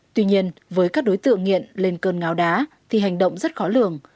tuy nhiên với các đối tượng nghiện lên cơn ngáo đá thì hành động rất khó lường